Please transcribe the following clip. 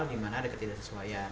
dimana ada ketidaksesuaian